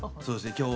そうですね。